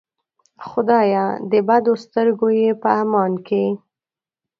خدایه د بدو سترګو یې په امان کې.